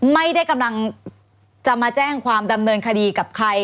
ไม่ได้กำลังจะมาแจ้งความดำเนินคดีกับใคร